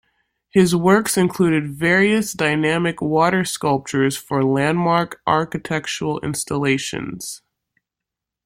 His works include various dynamic water sculptures for landmark architectural installations.